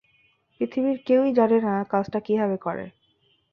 পৃথিবীর কেউই জানে না কাজটা কীভাবে করে।